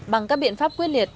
bằng các biện pháp quyết liệt